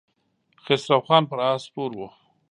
خسرو خان پر آس سپور و.